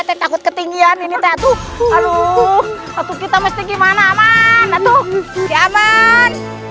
takut ketinggian ini tuh aduh kita mesti gimana aman aman